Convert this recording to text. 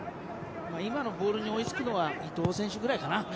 今のボールに追いつくのは伊東選手くらいかな。